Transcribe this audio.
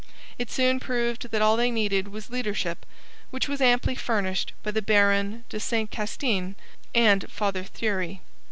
It soon proved that all they needed was leadership, which was amply furnished by the Baron de Saint Castin and Father Thury.